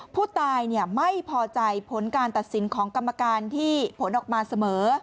ผู้ตายไม่พอใจผลการตัดสินของกรรมการที่ผลออกมาเสมอ